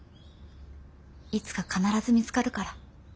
いつか必ず見つかるから。